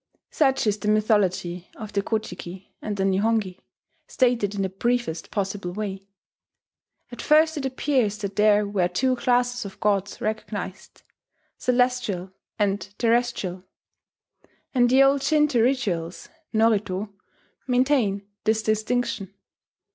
Such is the mythology of the Ko ji ki and the Nihongi, stated in the briefest possible way. At first it appears that there were two classes of gods recognized: Celestial and Terrestrial; and the old Shinto rituals (norito) maintain this distinction.